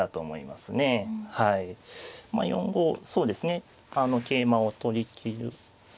まあ４五そうですね桂馬を取りきる。